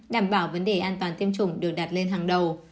đảm bảo vấn đề an toàn tiêm chủng được đặt lên hàng đầu